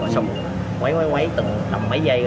xong quấy quấy tầm mấy giây